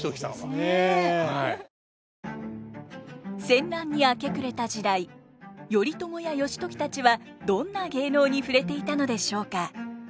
戦乱に明け暮れた時代頼朝や義時たちはどんな芸能に触れていたのでしょうか。